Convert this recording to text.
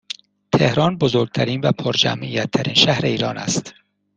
تهران بزرگترین و پرجمعیت ترین شهر ایران است